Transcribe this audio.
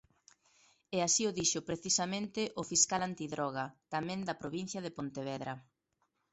E así o dixo precisamente o fiscal antidroga tamén da provincia de Pontevedra.